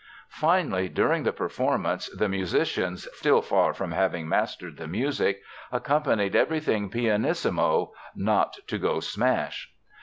Finally, during the performance, the musicians, still far from having mastered the music, accompanied everything pianissimo, "not to go smash."